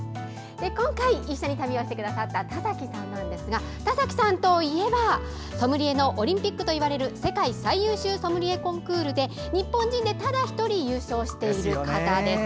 今回一緒に旅をしてくださった田崎さんなんですが田崎さんといえば、ソムリエのオリンピックといわれる世界最優秀ソムリエコンクールで日本人でただ１人優勝している方です。